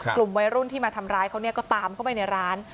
กลุ่มวัยรุ่นที่มาทำร้ายเขาก็ตามเข้าไปในร้าน